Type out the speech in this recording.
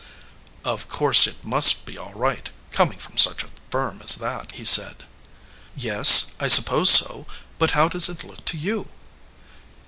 "Of course it must be all right, coming from such a firm as that," he said. "Yes, I suppose so, but how does it look to you